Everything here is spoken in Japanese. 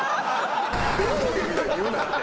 伝統芸みたいに言うな。